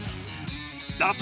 打倒